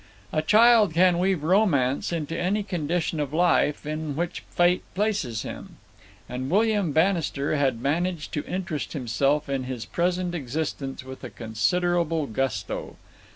A child can weave romance into any condition of life in which fate places him; and William Bannister had managed to interest himself in his present existence with a considerable gusto.